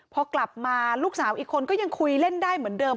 พอกลับมาลูกสาวอีกคนก็ยังคุยเล่นได้เหมือนเดิม